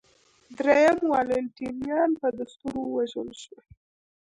درېیم والنټینیان په دستور ووژل شو